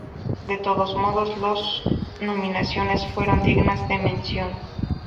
De todos modos, las nominaciones fueron dignas de mención.